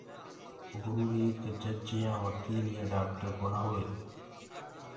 گُرو ايڪ جيج يآ وڪيل يآ ڊآڪٽر ڪونآ هٽوئي۔